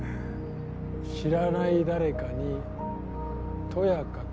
知らない誰かにとやかく。